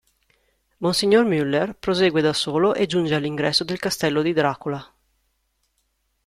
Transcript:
Monsignor Muller prosegue da solo e giunge all'ingresso del castello di Dracula.